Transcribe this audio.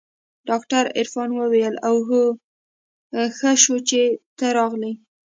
ډاکتر عرفان وويل اوهو ښه شو چې ته راغلې.